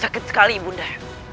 sakit sekali bunda